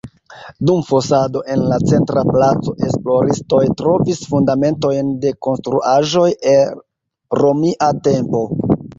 Dum fosado en la centra placo, esploristoj trovis fundamentojn de konstruaĵoj el Romia tempo.